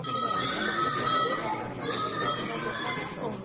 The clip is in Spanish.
En Madrid estudia Derecho en la universidad.